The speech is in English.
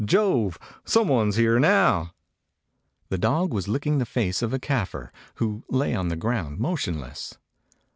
Jove! Some one's here now!" The dog was licking the face of a Kafir, who lay on the ground motionless.